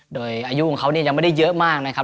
โดยอายุของเขานี่ยังไม่ได้เยอะมากนะครับ